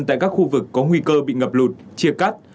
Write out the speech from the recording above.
tại các khu vực có nguy cơ bị ngập lụt chia cắt